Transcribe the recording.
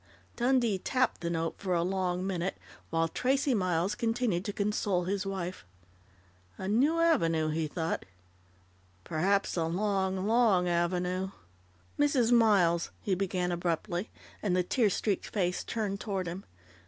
Dundee tapped the note for a long minute, while Tracey Miles continued to console his wife. A new avenue, he thought perhaps a long, long avenue.... "Mrs. Miles," he began abruptly, and the tear streaked face turned toward him.